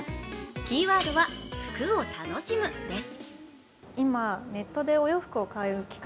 キーワードは「服を愉しむ」です。